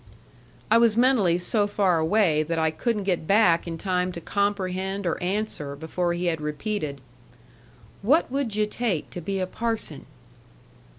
I was mentally so far away that I couldn't get back in time to comprehend or answer before he had repeated: "What would yu' take to be a parson?"